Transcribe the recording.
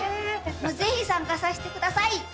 ぜひ参加させてください！